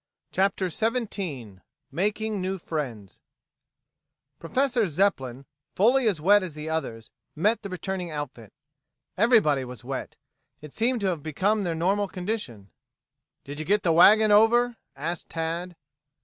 CHAPTER XVII MAKING NEW FRIENDS Professor Zepplin, fully as wet as the others, met the returning outfit. Everybody was wet. It seemed to have become their normal condition. "Did you get the wagon over?" asked Tad.